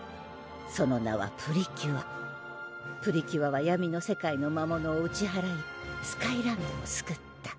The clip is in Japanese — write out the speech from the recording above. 「その名はプリキュア」「プリキュアは闇の世界の魔物を打ちはらいスカイランドをすくった」